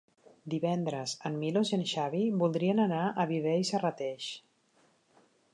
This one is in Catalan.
Divendres en Milos i en Xavi voldrien anar a Viver i Serrateix.